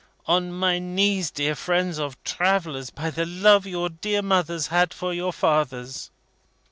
On my knees, dear friends of travellers! By the love your dear mothers had for your fathers!"